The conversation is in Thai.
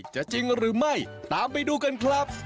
จริงหรือไม่ตามไปดูกันครับ